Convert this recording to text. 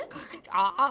ああ。